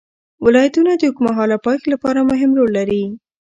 ولایتونه د اوږدمهاله پایښت لپاره مهم رول لري.